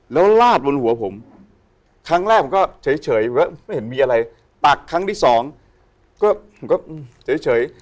แล้วลาดบนหัวผมครั้งแรกผมก็เฉยไม่เห็นมีอะไรตักครั้งที่สองก็ผมก็เฉย